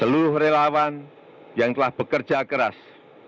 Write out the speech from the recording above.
seluruh relawan yang telah bekerja keras